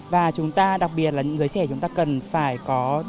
và chúng ta đặc biệt là những giới trẻ chúng ta cần phải có